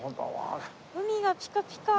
海がピカピカ！